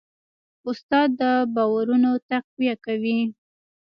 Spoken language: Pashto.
استاد د باورونو تقویه کوي.